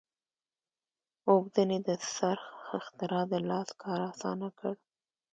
اوبدنې د څرخ اختراع د لاس کار اسانه کړ.